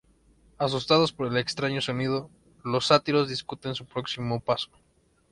Asustados por el extraño sonido, los sátiros discuten su próximo paso.